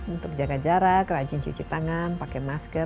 untuk jaga jarak rajin cuci tangan pakai masker